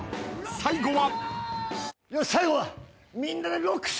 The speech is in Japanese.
最後は。